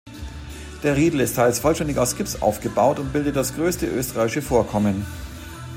Der Riedl ist teils vollständig aus Gips aufgebaut, und bildet das größte österreichische Vorkommen.